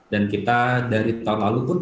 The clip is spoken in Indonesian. dan kita dari tahun lalu pun